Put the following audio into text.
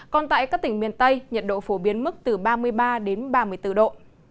còn tại các tỉnh miền tây nhiệt độ phổ biến mức từ ba mươi ba đến ba mươi bốn độ